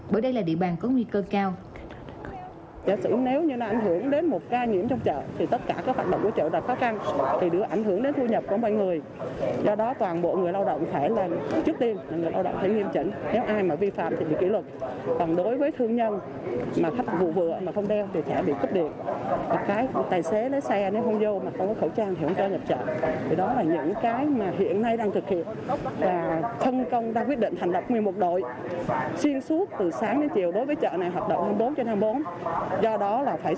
bởi đây là địa bàn có nguy cơ cao